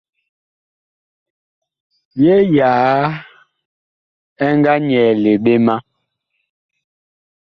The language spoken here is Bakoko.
Yee yaa ɛ nga nyɛɛle ɓe ma.